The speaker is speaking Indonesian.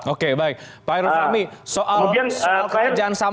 oke baik pak herufami soal kerjaan sampung